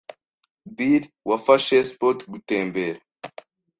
Bill, wafashe Spot gutembera?